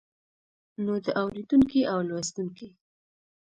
نو د اوريدونکي او لوستونکي